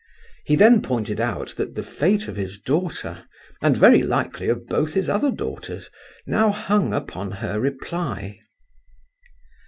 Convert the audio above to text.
He then pointed out that the fate of his daughter, and very likely of both his other daughters, now hung upon her reply.